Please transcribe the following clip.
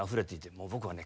もう僕はね